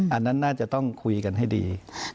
อันนั้นน่าจะต้องคุยกันให้ดี